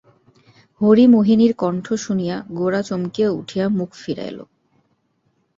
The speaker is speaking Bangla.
হরিমোহিনীর কণ্ঠ শুনিয়া গোরা চমকিয়া উঠিয়া মুখ ফিরাইল।